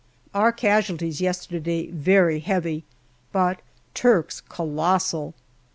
Our casualties yesterday very heavy, but Turks' colossal.